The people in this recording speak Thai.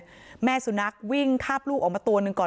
เต็มบ่อเลยแม่สุนัขวิ่งคาบลูกออกมาตัวหนึ่งก่อน